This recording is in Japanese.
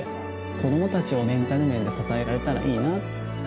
子供たちをメンタル面で支えられたらいいな。